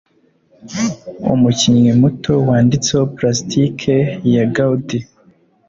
umukinyi muto wanditseho plastike ya gaudy